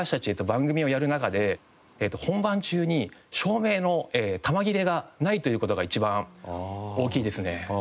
番組をやる中で本番中に照明の球切れがないという事が一番大きいですね。